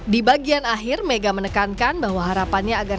di bagian akhir mega menekankan bahwa harapannya agar